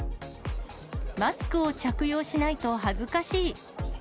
マスクを着用しないと恥ずかしい。